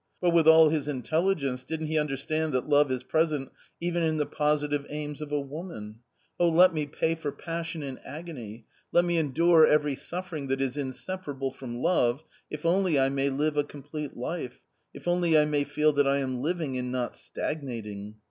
But with all his intelligence, didn't he understand that love is present even ^n the positive aims of a woman ?.... Oh, let me pay for pSSsion in agony, let me endure every suffering that is inseparable from love, if only I may live a complete life, if only I may feel that I am living and not stagnating."